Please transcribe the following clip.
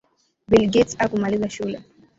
Bill Gates hakumaliza shule